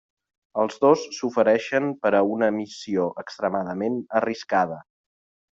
Els dos s'ofereixen per a una missió extremadament arriscada.